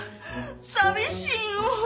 寂しいわ。